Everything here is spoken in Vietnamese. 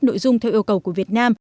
nội dung theo yêu cầu của việt nam